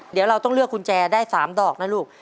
เดี๋ยวเราต้องเลือกกุญแจได้๓ดอกนะลูก